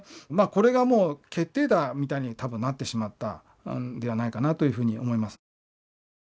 これがもう決定打みたいに多分なってしまったんではないかなというふうに思います。